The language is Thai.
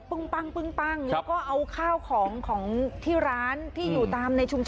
พวกมึงวิ่งมาทำไม